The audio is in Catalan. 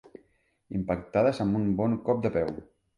Impactades amb un bon cop de peu.